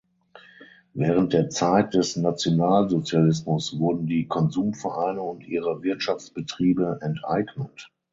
Während der Zeit des Nationalsozialismus wurden die Konsumvereine und ihre Wirtschaftsbetriebe enteignet.